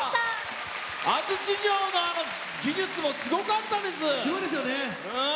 安土城の技術もすごかったです。